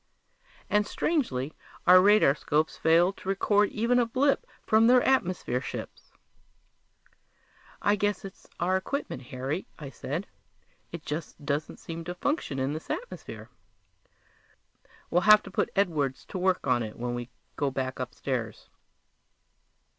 And strangely, our radarscopes failed to record even a blip from their atmosphere ships! "I guess it's our equipment, Harry," I said. "It just doesn't seem to function in this atmosphere. We'll have to put Edwards to work on it when we go back upstairs."